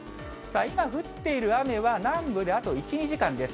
今、降っている雨は南部であと１、２時間です。